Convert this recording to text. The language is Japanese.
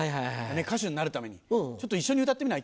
歌手になるためにちょっと一緒に歌ってみない？